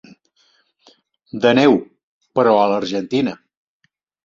De neu, però a l'argentina.